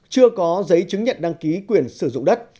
chưa có giấy chứng nhận đăng ký quyền sử dụng đất